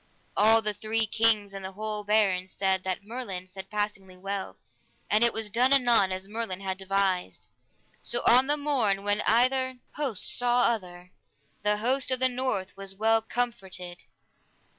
All the three kings and the whole barons said that Merlin said passingly well, and it was done anon as Merlin had devised. So on the morn, when either host saw other, the host of the north was well comforted.